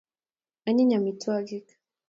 anyiny amitwagik